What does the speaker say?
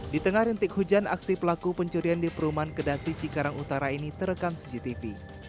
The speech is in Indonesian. di tengah rintik hujan aksi pelaku pencurian di perumahan kedasi cikarang utara ini terekam cctv